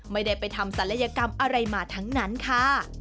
ไม่ได้ไปทำศัลยกรรมอะไรมาทั้งนั้นค่ะ